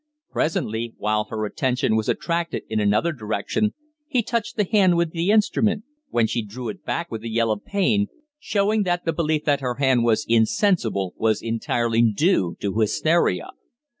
Presently, while her attention was attracted in another direction, he touched the hand with the instrument, when she drew it back with a yell of pain, showing that the belief that her hand was insensible was entirely due to hysteria.